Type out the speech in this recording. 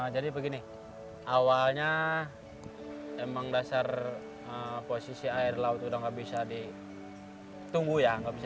jadi begini awalnya emang dasar posisi air laut udah gak bisa ditunggu ya